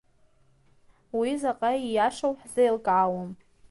Уи заҟа ииашоу ҳзеилкаауам.